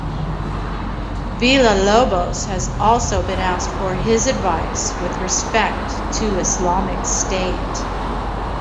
Villalobos has also been asked for his advice with respect to Islamic State.